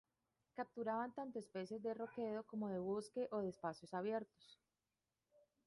Capturaban tanto especies de roquedo como de bosque o de espacios abiertos.